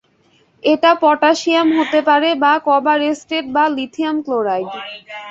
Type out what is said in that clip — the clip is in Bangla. এটা পটাশিয়াম হতে পারে বা কবার এসটেট বা লিথিয়াম ক্লোরাইড।